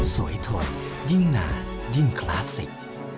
สวยทนยิ่งนานยิ่งคลาสสิก